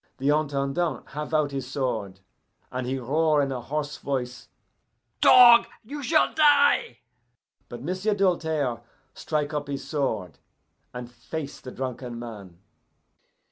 The Intendant have out his sword, and he roar in a hoarse voice, 'Dog, you shall die!' But M'sieu' Doltaire strike up his sword, and face the drunken man.